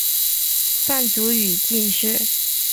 范祖禹进士。